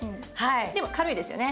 でも軽いですよね。